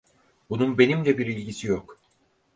Bunun benimle bir ilgisi yok.